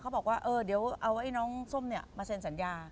บอกว่าเออเดี๋ยวเอาไอ้น้องส้มเนี่ยมาเซ็นสัญญา